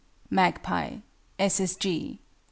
MAGPIE. S. S. G.